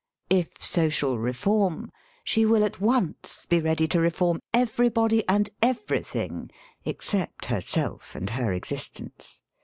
If social reform, she will at once be ready to reform everybody and everything except herself and her existence.